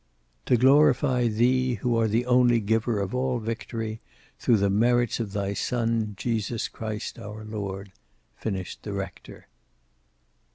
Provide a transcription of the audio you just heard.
"To glorify Thee, who are the only giver of all victory, through the merits of thy Son, Jesus Christ our Lord," finished the rector.